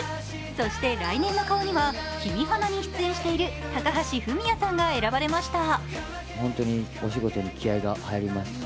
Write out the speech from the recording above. そして来年の顔には、「きみはな」に出演している高橋文哉さんが選ばれました。